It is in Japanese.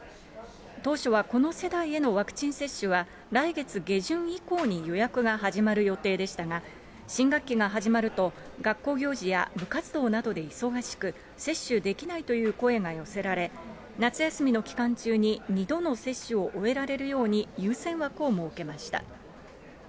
当初はこの世代へのワクチン接種は、来月下旬以降に予約が始まる予定でしたが、新学期が始まると学校行事や部活動などで忙しく、接種できないという声が寄せられ、夏休みの期間中に２度の接種を終えられるように、優先枠を設けました。